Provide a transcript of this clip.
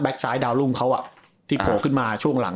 ซ้ายดาวรุ่งเขาที่โผล่ขึ้นมาช่วงหลัง